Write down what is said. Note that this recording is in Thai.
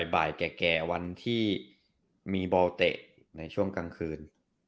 บ่ายแก่วันที่มีบอลเตะในช่วงกลางคืน